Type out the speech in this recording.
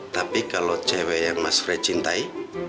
tapi kalau cewek yang mas fred cintai